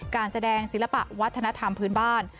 การแสดงศิลปะวัฒนธรรมพื้นบ้าน